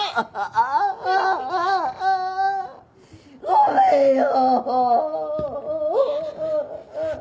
ごめんよ！